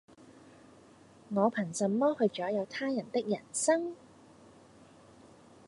我憑什麼去左右他的人生